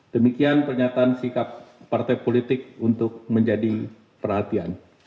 demikian pernyataan sikap partai politik untuk menjadi perhatian